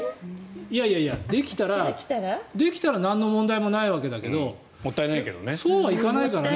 いやいや、できたらなんの問題もないわけだけどそうはいかないからね。